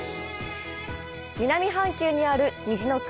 南半球にある「虹の国」